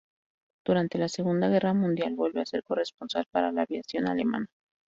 Durante la Segunda Guerra Mundial vuelve a ser corresponsal para la aviación alemana.